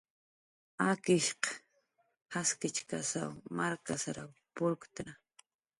Akishq jaskichkasw markasrw purktna